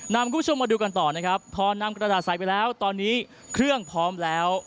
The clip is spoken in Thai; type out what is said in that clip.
นำคุณผู้ชมมาดูกันต่อนะครับพอนำกระดาษใส่ไปแล้วตอนนี้เครื่องพร้อมแล้ว